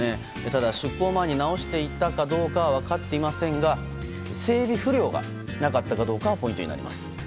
ただ、出航前に直していたかどうかは分かっていませんが整備不良がなかったかどうかがポイントになります。